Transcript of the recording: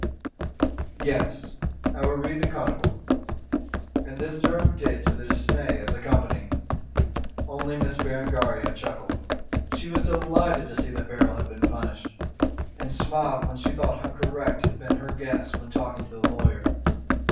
"Yes! I will read the codicil!" and this Durham did to the dismay of the company. Only Miss Berengaria chuckled. She was delighted to see that Beryl had been punished, and smiled when she thought how correct had been her guess when talking to the lawyer.